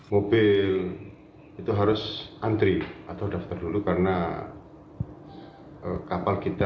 mobil itu harus antri atau daftar dulu karena kapal kita